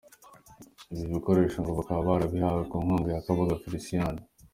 Ibi bikoresho ngo bakaba barabihawe ku nkunga ya Kabuga Felisiyani.